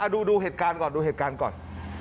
ดูเหตุการณ์ก่อนดูเหตุการณ์ก่อน